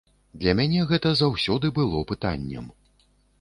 Для мяне гэта заўсёды было пытаннем.